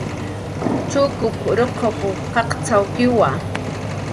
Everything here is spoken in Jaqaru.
Chukup ruquq qaqcxawkiwa